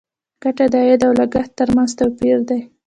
ګټه د عاید او لګښت تر منځ توپیر دی.